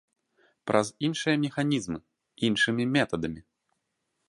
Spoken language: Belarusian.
Праз іншыя механізмы, іншымі метадамі.